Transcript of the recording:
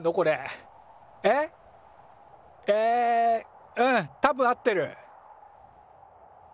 えうんたぶん合ってる。